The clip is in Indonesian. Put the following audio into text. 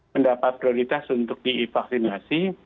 mendapat prioritas untuk divaksinasi